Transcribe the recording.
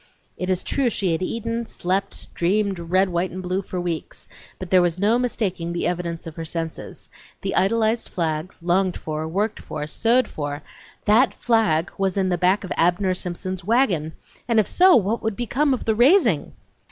It is true she had eaten, slept, dreamed red, white, and blue for weeks, but there was no mistaking the evidence of her senses; the idolized flag, longed for, worked for, sewed for, that flag was in the back of Abner Simpson's wagon, and if so, what would become of the raising?